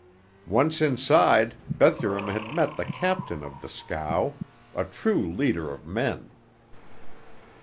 Once inside, Bethurum had met the captain of the "scow" a true leader of men.